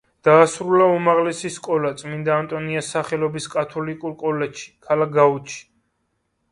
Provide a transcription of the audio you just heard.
დაასრულა უმაღლესი სკოლა წმინდა ანტონიას სახელობის კათოლიკურ კოლეჯში, ქალაქ გაუდში.